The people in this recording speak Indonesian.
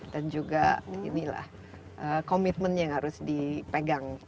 dan juga komitmennya yang harus dipegang